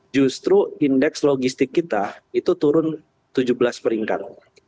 justru indeks logistik kita itu turun tujuh belas peringkat